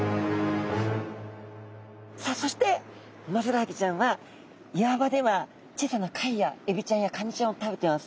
さあそしてウマヅラハギちゃんは岩場では小さな貝やエビちゃんやカニちゃんを食べてます。